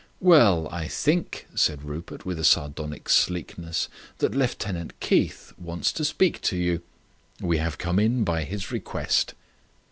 "Well, I think," said Rupert, with a sardonic sleekness, "that Lieutenant Keith wants to speak to you. We have come in by his request."